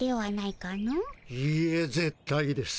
いいえぜっ対です。